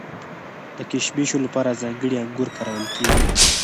د کشمشو لپاره ځانګړي انګور کارول کیږي.